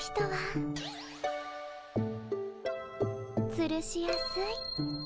つるしやすい。